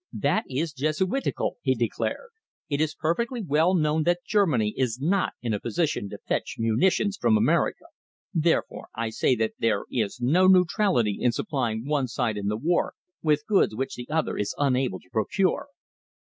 "That is Jesuitical," he declared. "It is perfectly well known that Germany is not in a position to fetch munitions from America. Therefore, I say that there is no neutrality in supplying one side in the war with goods which the other is unable to procure."